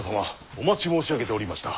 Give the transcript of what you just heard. お待ち申し上げておりました。